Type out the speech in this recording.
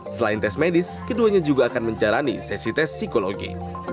selain tes medis keduanya juga akan menjalani sesi tes psikologi